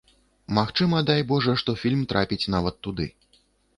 Магчыма, дай божа, што фільм трапіць нават туды.